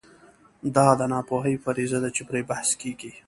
دا د ناپوهۍ فرضیه ده چې پرې بحث کېږي.